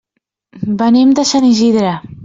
Venim de Sant Isidre.